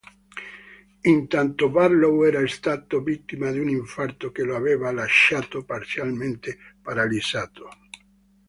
Intanto Barlow era stato vittima di un infarto che lo aveva lasciato parzialmente paralizzato.